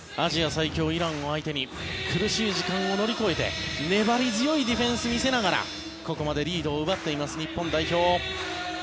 最強イランを相手に苦しい時間を乗り越えて粘り強いディフェンスを見せながらここまでリードを奪っています日本代表。